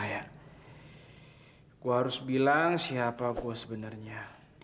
nah kamu ini gak bosan bosannya